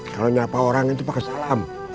kalau nyapa orang itu pakai salam